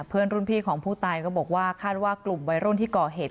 เพื่อนรุ่นพี่ของผู้ตายก็บอกว่าคาดว่ากลุ่มวัยรุ่นที่ก่อเหตุ